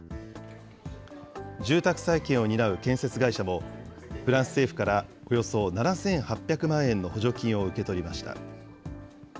住宅再建を担う建設会社もフランス政府からおよそ７８００万円の補助金を受け取りました。